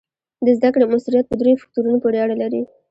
د زده کړې مؤثریت په دریو فکتورونو پورې اړه لري.